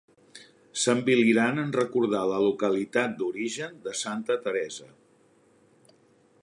S'enviliran en recordar la localitat d'origen de santa Teresa.